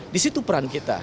di situ peran kita